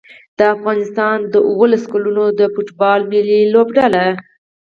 د افغانستان د اولس کلونو د فوټبال ملي لوبډله